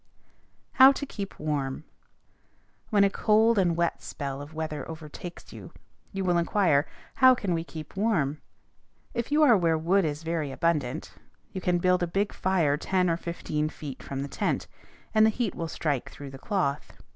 HOW TO KEEP WARM. When a cold and wet spell of weather overtakes you, you will inquire, "How can we keep warm?" If you are where wood is very abundant, you can build a big fire ten or fifteen feet from the tent, and the heat will strike through the cloth.